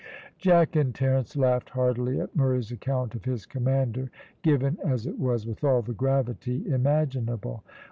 Jack and Terence laughed heartily at Murray's account of his commander, given as it was with all the gravity imaginable.